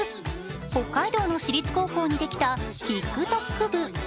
北海道の私立高校にできたＴｉｋＴｏｋ部。